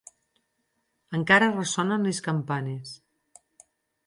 Encara ressonen les campanes.